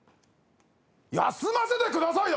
「休ませてください」だ？